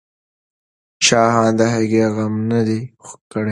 شاهانو د هغې غم نه دی کړی.